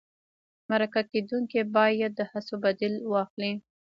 مرکه کېدونکی باید د هڅو بدل واخلي.